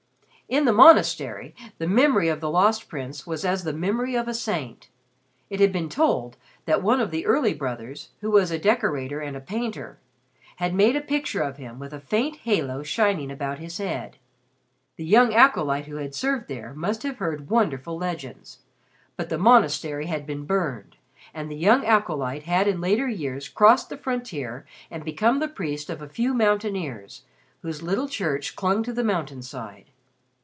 In the monastery the memory of the Lost Prince was as the memory of a saint. It had been told that one of the early brothers, who was a decorator and a painter, had made a picture of him with a faint halo shining about his head. The young acolyte who had served there must have heard wonderful legends. But the monastery had been burned, and the young acolyte had in later years crossed the frontier and become the priest of a few mountaineers whose little church clung to the mountain side.